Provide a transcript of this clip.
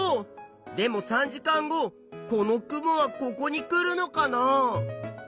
でも３時間後この雲はここに来るのかな？